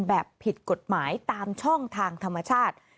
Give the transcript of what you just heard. แบบผิดกฎหมายตามช่องทางธรรมชาติ